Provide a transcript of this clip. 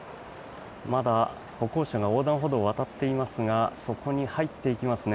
まだ、歩行者が横断歩道を渡っていますがそこに入っていきますね。